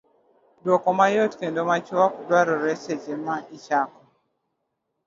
Dwoko mayot kendo machuok dwarore seche ma ichako